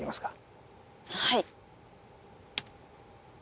はい。